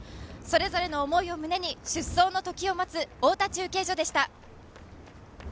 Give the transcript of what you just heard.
それぞれの思いを胸に出走のときを待つ太田中継所でした。